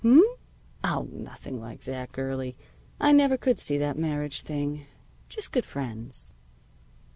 H'm? Oh, nothing like that, girlie. I never could see that marriage thing. Just good friends."